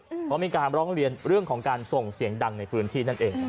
เพราะมีการร้องเรียนเรื่องของการส่งเสียงดังในพื้นที่นั่นเอง